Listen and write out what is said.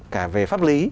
cả về pháp lý